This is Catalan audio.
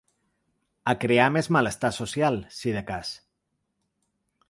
A crear més malestar social, si de cas.